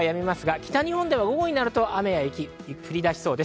北日本では午後になると雨や雪、降り出しそうです。